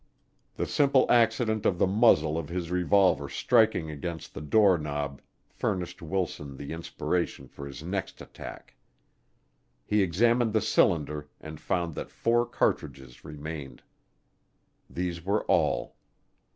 The simple accident of the muzzle of his revolver striking against the door knob furnished Wilson the inspiration for his next attack. He examined the cylinder and found that four cartridges remained. These were all.